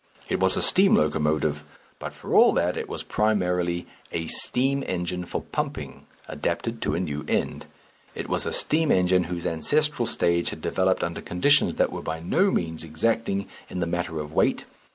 It was a steam locomotive but for all that it was primarily a steam engine for pumping adapted to a new end; it was a steam engine whose ancestral stage had developed under conditions that were by no means exacting in the matter of weight.